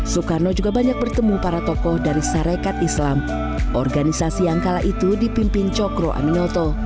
soekarno juga banyak bertemu para tokoh dari sarekat islam organisasi yang kala itu dipimpin cokro aminoto